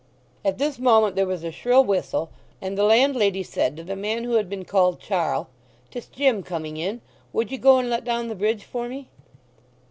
At this moment there was a shrill whistle, and the landlady said to the man who had been called Charl, "'Tis Jim coming in. Would ye go and let down the bridge for me?"